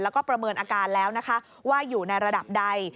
แล้วก็ประเมินอาการแล้วนะคะว่าอยู่ในระดับใด